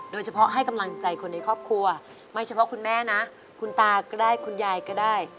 โดยเฉพาะให้กำลังใจคนในครอบครัวไม่เฉพาะคุณแม่นะคุณตาก็ได้คุณยายก็ได้